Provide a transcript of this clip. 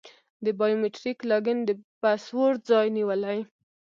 د بایو میتریک لاګین د پاسورډ ځای نیولی.